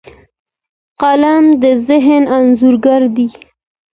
قلم د ذهن انځورګر دی